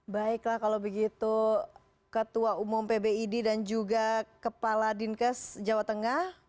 baiklah kalau begitu ketua umum pbid dan juga kepala dinkes jawa tengah